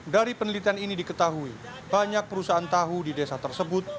dari penelitian ini diketahui banyak perusahaan tahu di desa tersebut